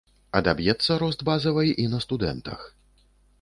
Адаб'ецца рост базавай і на студэнтах.